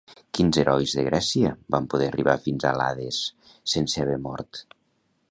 Quins herois de Grècia van poder arribar fins a l'Hades sense haver mort?